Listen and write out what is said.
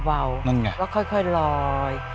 แล้วก็ค่อยลอย